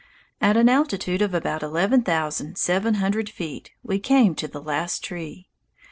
At an altitude of about eleven thousand seven hundred feet we came to the last tree.